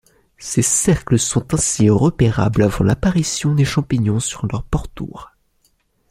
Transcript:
Ces cercles sont ainsi repérables avant l'apparition des champignons sur leur pourtour.